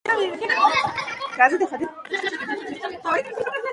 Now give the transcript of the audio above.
ازادي راډیو د سوله لپاره د خلکو غوښتنې وړاندې کړي.